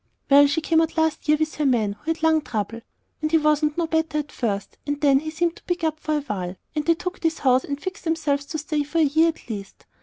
"Well, she come out last year with her man, who had lung trouble, and he wasn't no better at first, and then he seemed to pick up for a while; and they took this house and fixed themselves to stay for a year, at least.